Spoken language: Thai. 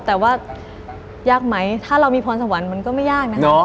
แต่ว่ายากไหมถ้าเรามีพรสวรรค์มันก็ไม่ยากนะคะ